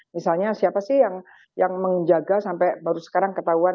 misalnya siapa sih yang menjaga sampai baru sekarang ketahuan